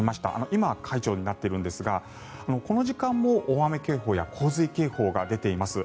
今、解除になっているんですがこの時間も大雨警報や洪水警報が出ています。